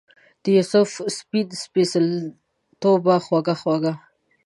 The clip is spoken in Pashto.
دیوسف سپین سپیڅلتوبه خوږه خوږه